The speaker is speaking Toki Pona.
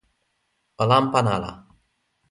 o lanpan ala!